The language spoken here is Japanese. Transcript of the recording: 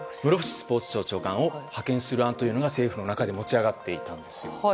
スポーツ庁長官を派遣する案が政府の中で持ち上がっていたんです。